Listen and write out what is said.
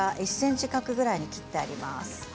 １ｃｍ角ぐらいに切ってあります。